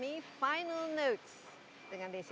dengan desi anwar akan segera kembali